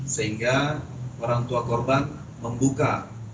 sehingga orang tua korban membuka